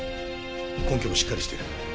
根拠もしっかりしている。